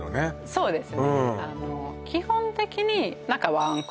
そうです